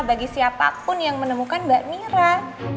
bagi siapapun yang menemukan mbak nira